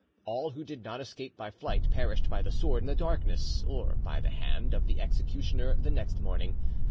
All who did not escape by flight perished by the sword in the darkness, or by the hand of the executioner the next morning.